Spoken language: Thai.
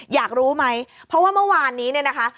อยากรู้ไหมเพราะว่าเมื่อวานนี้เนี่ยนะคะ